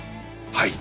はい。